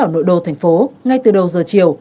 ở nội đô thành phố ngay từ đầu giờ chiều